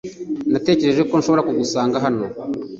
Natekereje ko nshobora kugusanga hano .